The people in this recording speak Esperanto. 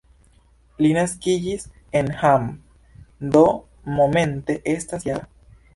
Li naskiĝis en Hamm, do momente estas -jara.